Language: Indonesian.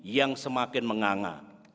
yang semakin menganga